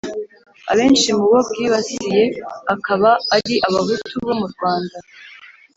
abenshi mu bo bwibasiye akaba ari abahutu bo mu rwanda